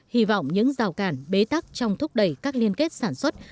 hy vọng những rào cản bế tắc trong thúc đẩy các liên kết sản xuất